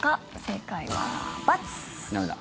正解は×。